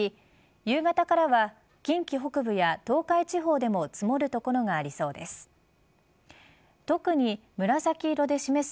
夕方からは近畿北部や東海地方でも積もる所がありそうです。